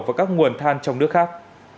và các nguồn than trong nước khác